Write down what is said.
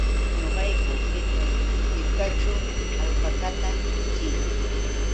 Ñuqayku hirkaćhu alpakata michii.